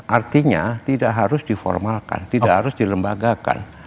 artinya tidak harus diformalkan tidak harus dilembagakan